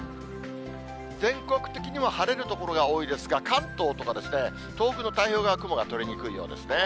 全国的には晴れる所が多いですが、関東とかですね、東北の太平洋側、雲が取れにくいようですね。